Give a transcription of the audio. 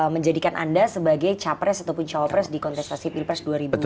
menjadikan anda sebagai capres ataupun jawab pres di konteksasi pilpres dua ribu dua puluh empat